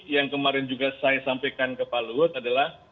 yang kemarin juga saya sampaikan ke pak luhut adalah